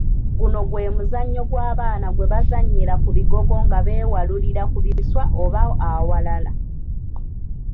Guno gwe muzannyo gw'abaana gwe bazannyira ku bigogo nga beewalurira ku biswa oba awalala.